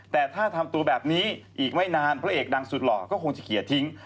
แต่ถ้าทำตัวแบบนี้อีกไม่นานพระเอกดังสุดหล่อก็คงจะเขียนทิ้ง